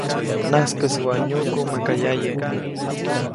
-Najskäsi waʼa nyuʼku maka yaye.-